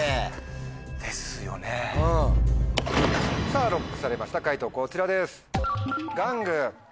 さぁＬＯＣＫされました解答こちらです。